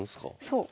そう。